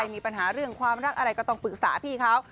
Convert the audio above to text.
มีปัญหาเรื่องความรักอะไรก็ต้องปรึกษาพี่เขา